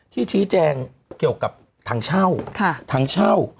ที่ชี้แจงเกี่ยวกับทางเช่า